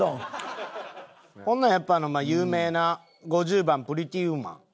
ほんならやっぱ有名な５０番『プリティ・ウーマン』。